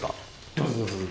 どうぞどうぞ。